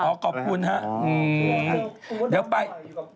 อ๋อก็ขอบคุณครับอืมเดี๋ยวไป